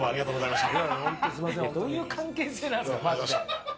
どういう関係性なんですか。